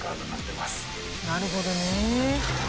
なるほどね。